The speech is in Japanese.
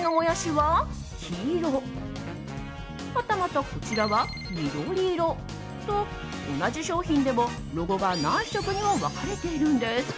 はたまた、こちらは緑色。と、同じ商品でもロゴが何色にも分かれているんです。